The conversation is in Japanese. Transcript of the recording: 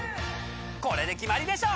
これで決まりでしょ！